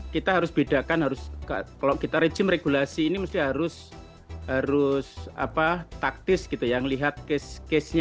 kita harus bedakan kalau kita rejim regulasi ini harus taktis yang melihat case case nya